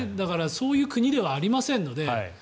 そういう国ではありませんので。